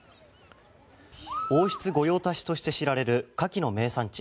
王室御用達として知られるカキの名産地